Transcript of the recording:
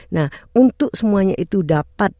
nah untuk semuanya itu dapat